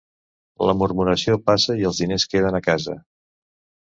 La murmuració passa i els diners queden a casa.